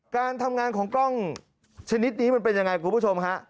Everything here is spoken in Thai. การทำงานของกล้องชนิดนี้มันเป็นยังไงคุณผู้ชมฮะ